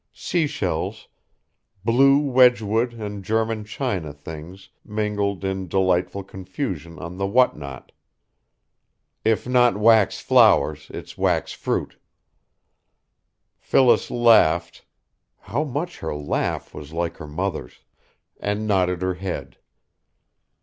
Seashells, blue wedgwood and German china things mingled in delightful confusion on the what not. If not wax flowers, it's wax fruit." Phyllis laughed how much her laugh was like her mother's and nodded her head.